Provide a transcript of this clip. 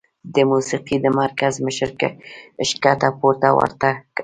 د موسيقۍ د مرکز مشر ښکته پورته ورته وکتل